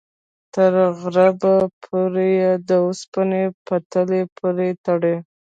تر غربه پورې یې د اوسپنې پټلۍ پورې تړي.